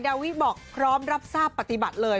ดาวิบอกพร้อมรับทราบปฏิบัติเลย